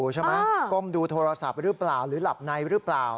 เขาทำอะไรอยู่ความดูโทรศัพท์หรือเปล่าหรือหลับในหรือเปล่า